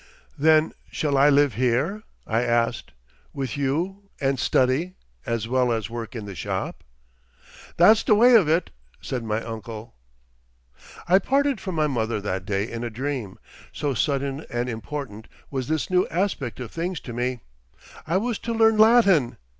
"Then shall I live here?" I asked, "with you, and study... as well as work in the shop?" "That's the way of it," said my uncle. I parted from my mother that day in a dream, so sudden and important was this new aspect of things to me. I was to learn Latin!